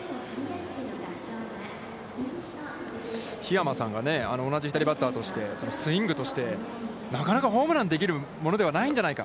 桧山さんが同じ左バッターとしてスイングとしてなかなかホームランできるものではないんじゃないか。